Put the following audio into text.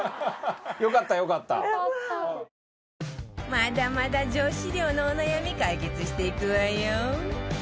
まだまだ女子寮のお悩み解決していくわよ